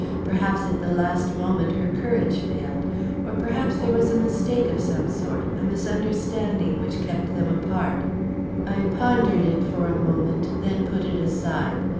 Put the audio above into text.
Perhaps, at the last moment, her courage failed; or perhaps there was a mistake of some sort, a misunderstanding which kept them apart." I pondered it for a moment, then put it aside.